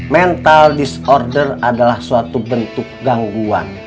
mental disorder adalah suatu bentuk gangguan